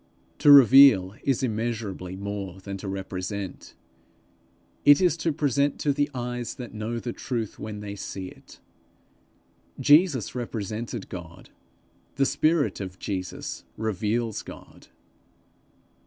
To reveal is immeasurably more than to represent; it is to present to the eyes that know the true when they see it. Jesus represented God; the spirit of Jesus reveals God.